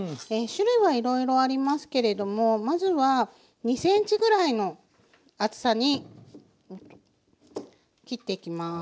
種類はいろいろありますけれどもまずは２ｃｍぐらいの厚さに切っていきます。